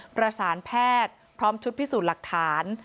ประสานแพทย์พร้อมชุดพิสูจน์หลักฐาน